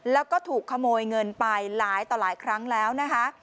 แล้วก็ถูกขโมยเงินไปหลายต่อหลายครั้งแล้วนะคะ